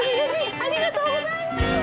ありがとうございます。